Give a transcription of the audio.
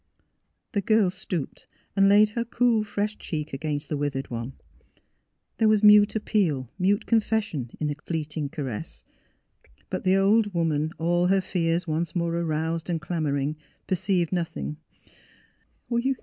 " The girl stooped and laid her cool, fresh cheek against the withered one. There was mute ap peal, mute confession in the fleeting caress; but the old woman, all her fears once more aroused and clamouring, perceived nothing.